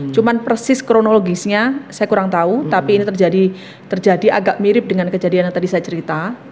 cuman persis kronologisnya saya kurang tahu tapi ini terjadi agak mirip dengan kejadian yang tadi saya cerita